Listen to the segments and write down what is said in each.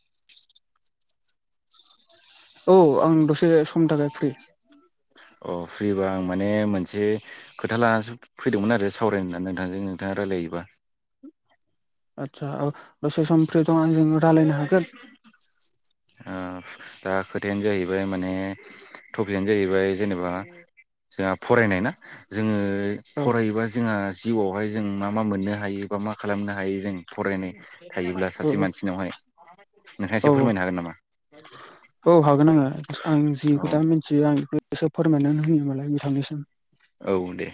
[inaudible] औ आं दसे समनि थाखाय फ्रि । अ फ्रिबा आं माने मोनसे खोथा लानानैसो फैदोंमोन आरो सावराय नोंथांजों नोंथाङा मा रायलायोबा? [inaudible] आतसा औ दसे सम फ्रि दं आंजों रायलायनो हागोन? ओ दा खोथायानो जाहैबाय माने टपिगआनो जाहैबाय जेनेबा जोंहा फरायनाय ना जोङो औ फरायोबा जोंहा जिउआवहाय जों मा मा मोननो हायो बा मा खालामनो हायो जों फरायनाय थायोब्ला सासे औ मानसिनावहाय नोंथांआ औ एसे फोरमायनो हागोन नामा? औ हागोन आङो आं जि औ खोथा मिथियो आं बेखौसो फोरमायनानै होयो मालाय बिथांनिसिम। औ दे।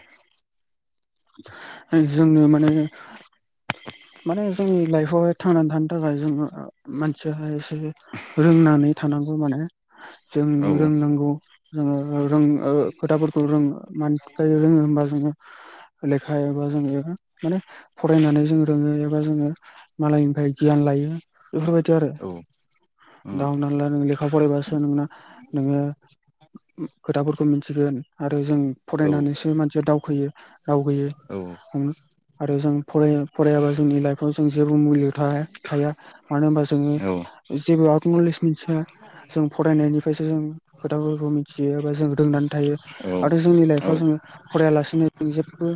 जोंनो माने माने जोंनि लाइफआवहाय थांनानै थानो थाखाय जोङो मानसिहाय एसे रोंनानै थानांगौ माने । जों औ रोंनांगौ रों ओ खोथाफोरखौ रों मानि थाखाय रोङो? ओमबा जोङो लेखा एबा जोङो माने फरायनानै जोङो फोरोङो एबा जोङो मालायनिफ्राय गियान लायो। बेफोरबायदि आरो औ। दा उम हमनानै ला नों लेखा फरायबासो नोंना नोङो खोथाफोरखौ मिथिगोन आरो जों औ फरायनानैसो मानसिया दावखोयो । दावगोयो औ आरो जों फराया फरायाबा जोंनि लाइफाव जों जेबो मुलि [unintelligible] थाया मानो होनबा जोङो औ जेबो आउट नलेज मोनथिया जों फरायनायनिफ्रायसो जों खोथाफोरखौ मिथियो एबा जों रोंनानै थायो। औ। औ जों फरायालासिनो जों जेबबो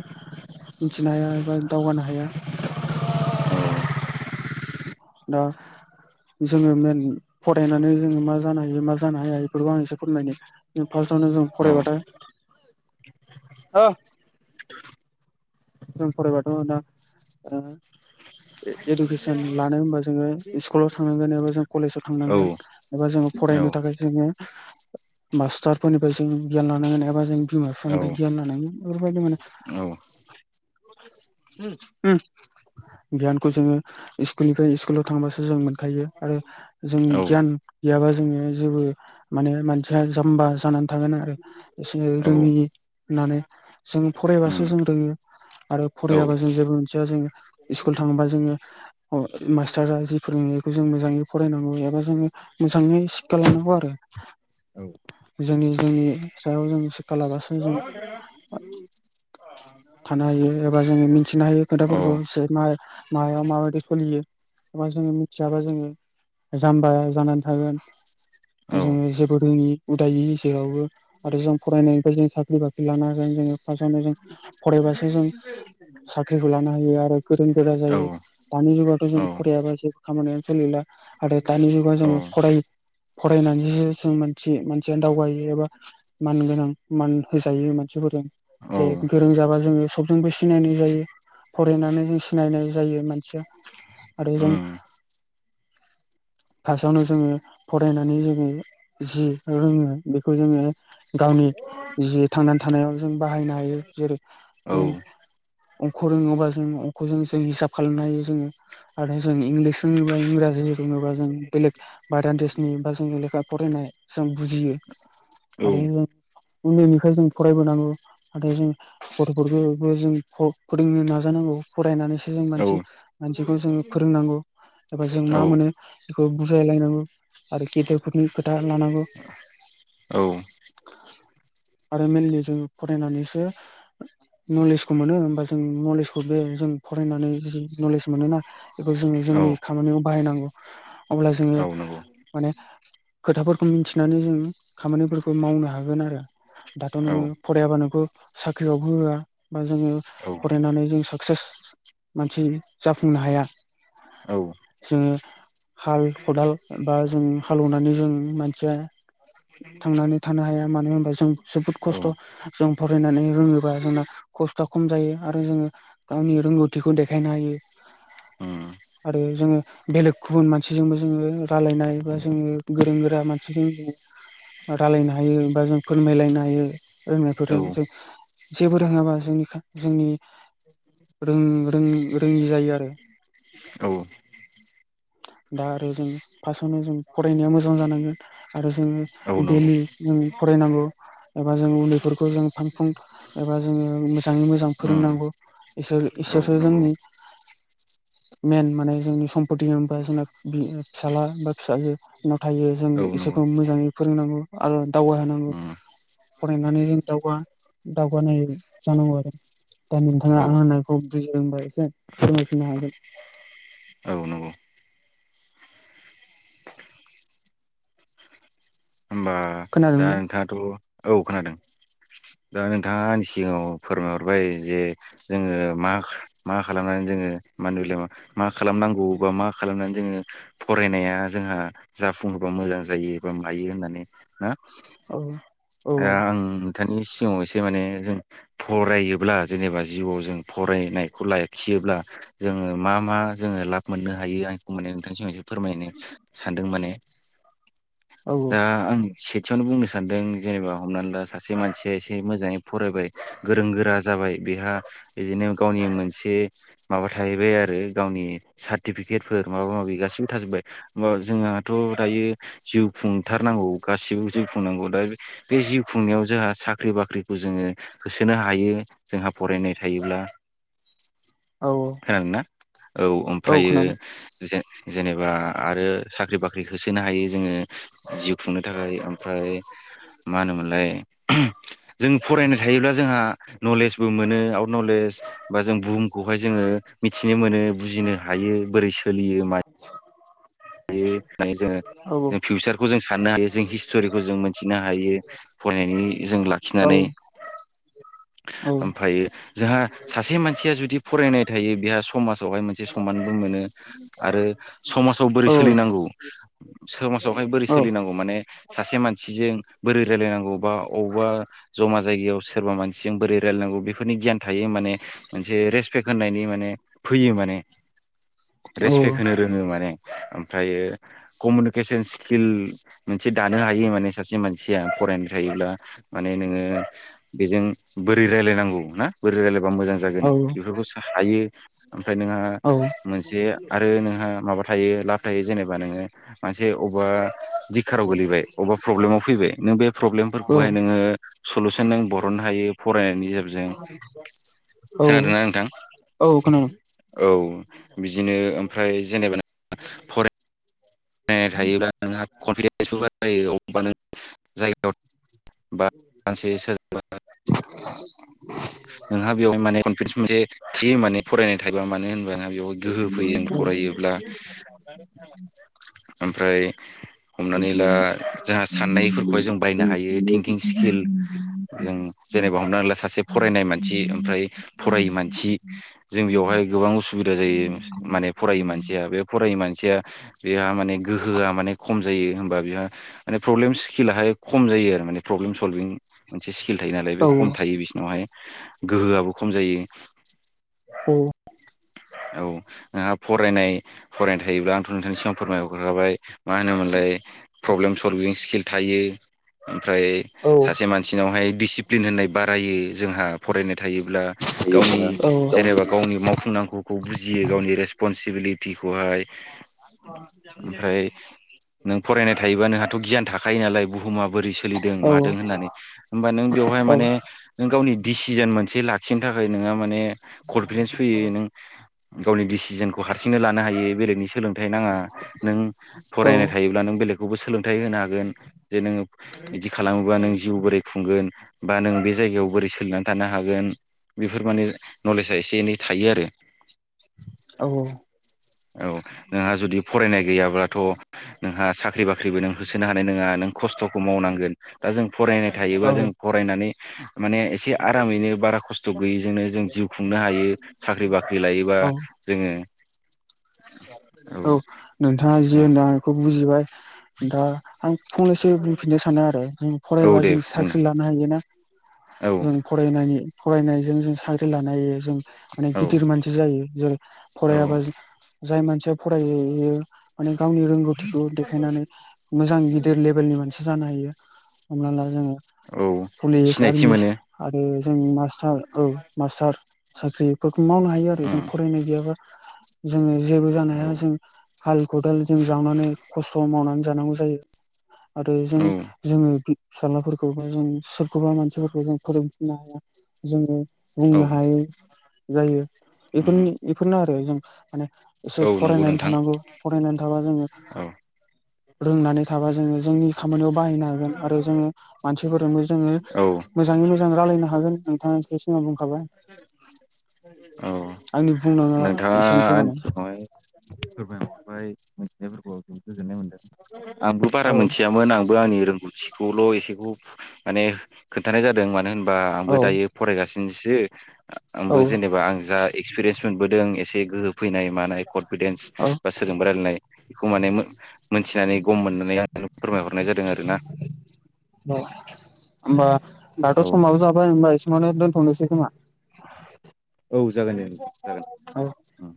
मिथिनो हाया एबा दावगानो हाया। दा जोङो मेन फरायनानै जोङो मा जानो हायो मा जानो हाया इफोरखौ आं एसे फोरमायनो फार्स्टआव जों औ फरायबथाय हो जों फरायबाथ' दा ओ इडुकेसन लानो होनबा जोङो स्कुलाव थांनांगोन एबा जों कलेजाव थांनांगोन एबा जोङो फरायनो थाखाय जोङो मास्टारफोरनिफ्राय जों गियान लानांगोन एबा जों बिमा बिफानिफ्राय गियान लानांगोन बेफोरबायदि माने उम उम। गियानखौ जोङो स्कुलनिफ्राय स्कुलाव थांबासो जों मोनखायो आरो जों औ गियान गैयाबा जोङो जेबो माने मानसिया जाम्बा जानानै थागोन आरो एसे औ औ रोङि होननानै जों फरायबासो उम जों रोङो। आरो औ फरायाबा जों जेबो मिथिया जोङो स्कुल थाङोबा जोङो अ मास्टारा फोरोंनायखौ जों मोजाङै फरायनांगौ एबा जोङो मोजाङै सिकखा लानांगौ आरो । औ जोंनि जोंनि सायाव जों सिकखा लाबासो जों [unintelligible] थानो हायो एबा जोङो मिथिनो हायो खोथाफोरखौ औ जे मा मायाव माबायदि सोलियो। एबा जोङो मिथियाबा जोङो जाम्बा जानानै थागोन। औ जोङो जेबो रोङि उदायि जेरावबो आरो जों फरायनायनिफ्राय जों साख्रि बाख्रि लानो हागोन। जोंङो फासावनो जों फरायबासो जों साख्रिखौ लानो हायो आरो गोरों गोरा औ जायो दानि जुगावाथ' औ जों फरायाबा [unintelligible] खामानियानो सोलिला आरो दानि जुगाव जोङो फराय फरायनानैसो जों मानसि मानसिया दावगायो एबा मान गोनां मान होजायो मानसि [unintelligible] जे गोरों जाबा जोङो सबजोंबो सिनायनाय जायो फरायनानै जों सिनायनाय जायो मानसिया आरो जों उम फास्टआवनो जोङो फरायनानै जोङो जि रोङो बेखौ जोङो गावनि जि थांनानै थानायाव जों बाहायनो हायो जेरै औ। जों अंख रोङोबा जों अंख जों हिसाब खालामनो हायो जोङो आरो जों इंलिस रोङोबा इंराजी रोङोबा जों बेलेग भादान देशनि बा जों लेखा फरायनाय जों बुजियो। आरो जों उन्दैनिफ्राय जों फरायबोनांगौ नाथाय जों गथ'फोरखौबो जों फ फोरोंनो नाजानांगौ फरायनानैसो जों मानसि मानसिखौ जों रोंनांगौ। एबा जों मा मोनो बेखौ बुजायलायनांगौ आरो गेदेरफोरनि खोथा लानांगौ। औ आरो मेनलि जों फरायनानैसो [inaudible] नलेजखौ मोनो होमबा जों नलेजखौ बे जों फरायनानै जि नलेज मोनोना बेखौ जों औ जोंनि खामानियाव बाहायनांगौ अब्ला जोङो औ नंगौ माने खोथाफोरखौ मिथिनानै जों खामानिफोरखौ मावनो हागोन आरो दाथ' औ नोङो फरायाबा नोंखौ साख्रियावबो होआ बा जोङो फरायनानै जों साक्सेस मानसि जाफुंनो हाया औ जोङो हाल खदाल बा जों हालेवनानै जों मानसिया थांनानै थानो हाया मानो होनबा जों जोबोद खस्थ' जों फरायनानै रोङोबा जोंना खस्थ'आ खम जायो आरो जोङो गावनि रोंगौथिखौ देखायनो हायो। उम [inaudible] आरो जोङो बेलेग गुबुन मानसिजोंबो जोङो रायलायनाय बा जोङो गोरों गोरा मानसिजों रायज्लायनो हायो बा जों फोरमायलायनो हायो [unintelligible] औ जेबो रोङाबा जोंनि जोंनि रों रों रोङि जायो आरो औ। [inaudible] दा आरो जों फार्स्टावनो जों फरायनाया मोजां जानांगोन आरो जोङो औ नंगौ दैलि फरायनांगौ एबा जों उन्दैफोरखौ जों फानफुं एबा जोङो मोजाङै मोजां उम फोरोंनांगौ इसोर औ इसोरसो नंगौ जोंनि मेन माने जोंनि सम्पति बा जोंना फिसाला बा फिसनाव थायो जों औ नंगौ इसोरखौ मोजाङै फोरोंनांगौ आरो दावगाहोनांगौ उम फरायनानै जों दावगा दावगानाय जानांगौ आरो। दा नोंथाङा औ आं होननायखौ बुजिदोंबा एसे फोरमायफिननो हागोन। औ नंगौ। होमबा दा खोनादोंना नोंथाङाथ' औ खोनादों। दा नोंथाङा आंनि सिगाङाव फोरमायहरबाय जे जोङो मा मा खालामना जोङो [unintelligible] मा खालामनांगौ मा खालामनानै जोङो फरायनाया जोंहा जाफुङोबा मोजां जायो एबा मायो होननानै ना औ औ आं नोंथांनि सिगाव एसे माने जों फरायोब्ला जेनेबा जिउआव जों फरायनायखौ लाखियो ब्ला जोङो मा मा जोङो लाब मोननो हायो आं बिखौ माने नोंथां सिगांआव फोरमायनो सानदोंमोन। माने औ दा आं खेथियावनो बुंनो सानदों जेनेबा हमनानै ला सासे मानसिया एसे मोजाङै फरायबाय गोरों गोरा जाबाय बेहा बिदिनो गावनि मोनसे माबा थाहैबाय आरो गावनि सार्टिफिकेट। फोर माबा माबि गासिबो थाजोब्बाय हा जोंहाथ' दायो जिउ खुंथारनांगौ गासिबो जिउ खुंनांगौ दा बे जिउ खुंनायाव जोंहा साख्रि बाख्रिखौ जोङो होसोनो हायो जोंहा फरायनाय औ खोनादोंना औ ओमफ्रायो जेन-जेनेबा आरो साख्रि बाख होसोनो हायो जोङो जिव खुंनो थाखाय ओमफ्राय मा होनोमोनलाय जों फरायनो थायोब्ला जोंहा नलेजबो मोनो आउट नलेज बा जों बुहुमखौहाय जोङो मिथिनो मोनो बुजिनो हायो। बोरै सोलियो माइ हायो होननानै औ जोङो फिउचार बिखौ जों साननो हायो जों हिस्ट'रिखौ जों मोनथिनो हायो फरायनायनि जों औ लाखिनानै ओमफ्रायो जोंहा सासे मानसिया जुदि फरायनाय थायो बेहा समाजावहाय मोनसे सनमानबो मोनो आरो समाज बोरै औ सोलिनांगौ सोमाजावहाय बोरै औ सोलिनांगौ माने सासे मानसिजों बोरै रायलायनांगौ बा अबा जमा जायगायाव सोरबा मानसिजों बोरै रायलायनां गौ बेफोरनि गियान थायो माने मोनसे रेसपेक्ट होननि माने फैयो माने रेसपेक्ट होनो रोङो माने ओमफ्रायो कमिउनिकेसन स्किल मोनसे दानो हायो माने सासे मानसिया। फरायनाय थायोब्ला माने नोङो बेजों बोरै रायायनांगौ ना बोरै रायलायबा मोजां जागोन बेफोरखौ सा हायो ओमफ्राय नोंहा मोनसे आरो नोंहा माबा थायो लाब थायो जेनेबा नोङो मोनसे अबेबा दिखाराव गोगलैबाय अबेबा प्रब्लेमाव फैबायों नों बे प्रब्लेमफोरखौहाय नोङो सलुसन नों बरननो हायो फरायनायनि गेजेरजों औ औ खोनादोंना नोंथां औ खोनादों। औ बिदिनो ओमफ्राय जेनेबा नों फराय नाय थायोबा नोंहा कनफिदेन्स बो बारायो अबा नों जायगायाव बा मानसे सोरजोंबा नोंहा बेयाव माने कनफिडेन्स मोनसे थि फरायनाय थायोबा मानो होनबा नोंहा बेयावह गोहो फैयो फराय योब्ला [unintelligible] ओमफ्राय हमनानै ला जोंहा साननायफोरखौहाय जों बायनो हायो थिंकिं स्किल जों जेनेबा हमनानैला सासे फरायनाय मान थिओमफ्राय फरायै मानथि जों बेयावहाय गोबां असुबिदा जायो माने फारायि मान थिया बे फरायि मानसिआ बेहा माने गोहोआ माने खम जायो होनबा बेहा माने प्रब्लेमस स्किलाहाय खम जायो आरो माने प्रब्लेम सल्भिंनि मोनसे स्किल थायो नालाय बे खम थायो बिसोरनियावहाय । गोहोआबो खम जायो। [unintelligible] औ नोंहा फरायनाय फरायनाय थायोब्ला आंथ' नोंथांनि सिगाव फोरमाय हरग्राखाबाय मा होनोमोनलाय हे प्रब्लेम सल्भिं स्किल थायो। ओमफ्राय सासे मानसिनावहाय डिसिप्लिन होननाय बारायो जोंहा फरायनाय थायोब्ला गावनि औ जेनेबा गावनि मावफुंनांगौखौ बुजियो गावनि रेसपनसिबिलिटिखौहाय ओमफ्राय [unintelligible] नों फरायनाय थायोबा नोंहाथ' गियान थाखायो नालाय बुहुमा बोरै सोलिदों औ मादों होननानै होनबा नों बेव बेवहाय माने औ नों गावनि डिसिजोन मोनसे लाखिनो थाखाय नोंहा माने कनफिदेन्स फैयो नों गावनि डिसिजोनखौ हारसिंनो लानो हायो बेलेगनि सोलोंथाइ नाङा नों फरायनाय थायोब्ला नो बेलेगखौबो सोलोंथाय होनो हागोन जे नोङो इदि खालामोबा नों जिउ बोरै खुंगोन बा नों बे जायायाव बोरै सो थांना थानो हागोन बेफोर माने नलेजआ एसे एनै थायो आरो । औ औ। औ नोंहा जुदि फरायनाय गैयाब्लाथ' नोंहा साख्रि बाख्रिबो नोंखौ सोनो हानाय नङा नों खस्थ'खौ मावनांगोन दा जों फरायनाय थायोबा जों फरायनानै माने एसे आरामैनो बा बारा खस्थ' गैयिजोंनो जों जिउ खुंनो हायो साख्रि-बाख्रि लायोबा जोङो औ। नोंथाङा जि होनदों आं बेखौ बुजिबाय दा आं फंनैसो ओ बुंफिननो सानो आरो जों औ फरायबा दे जों बुंनो साख्रि लानो हायोना औ जों फरायनायनि फरायनायजों जों साख्रि लानो हायो। जों माने औ गिदिर मानसि जाहैयो जेरै औ फरायाबा जाय मानसिया फरायो इयो माने गावनि रोंगौथिखौ देखायनानै मोजां गिदिर लेबेलनि मानसि जानो हायो। हम ला जोङो औ पुलिस, सिनायथि आर्मि मोनो आरो जों मास्टार औ मास्टार साख्रिफोरखौ मावनो हायो आरो जों उम फरायनाय गैयाबा जोङो जेबो औ जानोहाया जों हाल-खदाल जों जावनानै खस्थ' माव नानै जानांगौ जायो आरो जों औ जोङो फिसाज्लाफोरखौबा जों सोरखौबा मानसिफोरखौ जों फोरोंफिननो हाया जोङो औ बुंनो हायै जायो उम बेफोरनि बेफोरनो आरो जों माने एसे औ नंगौ फरायनानै नोंथां थानांगौ फरायनानै थाबा जोङो औ रोंनानै थाबा जोङो जोंनि खामानियाव बाहायनो हागोन आरो जोङो मानसिफोरजोंबो जोङो औ मोजाङै मोजां रायलायनो हागोन नोंथां बे सिङाव बुंखाबाय औ आंनि बु बुंनाङा एसेनोसै माने। सोरबाया हरबाय आंबो बारा औ मोनथियामोन आंबो आंनि रोंगौथिखौल' एसेखौ माने खोन्थानाय जादों मानो होनबा आंबो औ दायो फरायगासिनोसो औ आंबो जेनेबा आं जा एक्सपिरियेन्स मोनबोदों एसे गोहो फैनाय मानाय कन फिदेन्स औ बा सोरजोंबा रायलायनाय बेखौ माने मोनथिनानै गम मोननानै आं नाय जादों आरोना औ होमबा दाथ' औ समाबो जाबाय होमबा एसेयावनो दोनथ'नोसै खोमा [unintelligible] औ जागोन दे औ जागोन